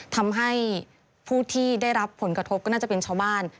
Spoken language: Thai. ทำให้ผู้ที่ได้รับผลกระทบก็น่าจะเป็นชาวบ้าน